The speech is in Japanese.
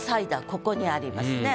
ここにありますね。